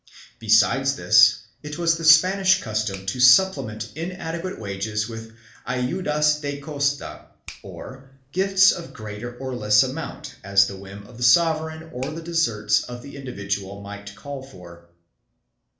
Besides this, it was the Spanish custom to supplement inadequate wages with ayudas de costa, or gifts of greater or less amount as the whim of the sovereign or the deserts of the individual might call for.